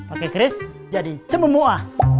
ok kris jadi cembung mua